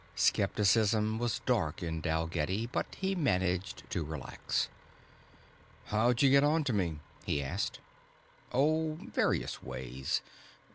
Skepticism was dark in Dalgetty but he managed to relax. "How'd you get onto me?" he asked. "Oh, various ways.